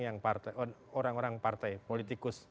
yang partai orang orang partai